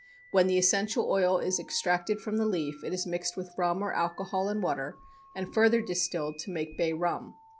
When the essential oil is extracted from the leaf, it is mixed with rum or alcohol and water and further distilled to make bay rum.